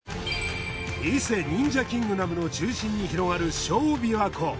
伊勢忍者キングダムの中心に広がる小琵琶湖。